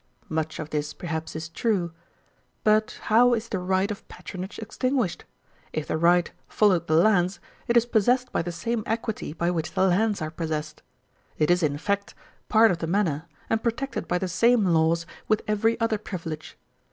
Much of this, perhaps, is true. But how is the right of patronage extinguished? If the right followed the lands, it is possessed by the same equity by which the lands are possessed. It is, in effect, part of the manor, and protected by the same laws with every other privilege.